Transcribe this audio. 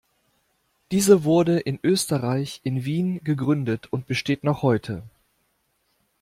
Diese wurde in Österreich in Wien gegründet und besteht noch heute.